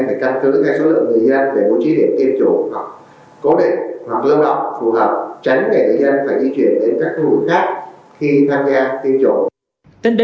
việc tính giải thủ tục chủ yếu nằm ở giai đoạn phương xã